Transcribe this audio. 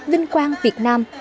vinh quang việt nam